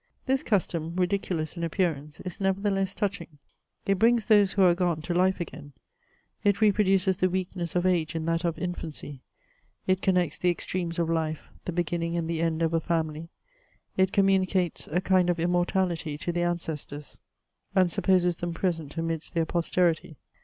This custom, ridiculous in appearance, is nevertheless touching ; it brings those who are gone to life again ; it reproduces the weakness of age in that of infancy ; it connects the extremes of life, the beginning and the end of a family ; it communicates a kind of immortality to the ancestors, and supposes them present amidst their posterity.